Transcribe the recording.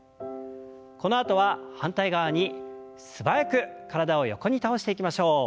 このあとは反対側に素早く体を横に倒していきましょう。